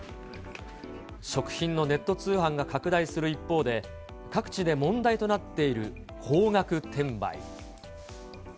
食品のネット通販が拡大する一方で、各地で問題となっている高額転売。